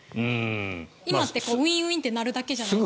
今ってウィーンウィーンって鳴るだけじゃないですか。